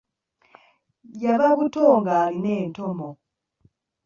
Yava buto ng'alina entomo.